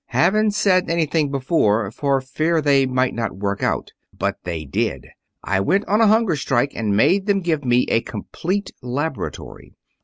Haven't said anything before, for fear things might not work out, but they did. I went on a hunger strike and made them give me a complete laboratory.